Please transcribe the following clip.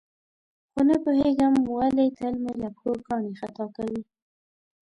خو نه پوهېږم ولې تل مې له پښو کاڼي خطا کوي.